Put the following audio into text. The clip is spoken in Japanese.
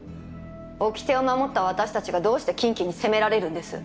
おきてを守った私たちがどうして金鬼に責められるんです？